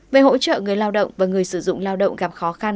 về hỗ trợ người lao động và người sử dụng lao động gặp khó khăn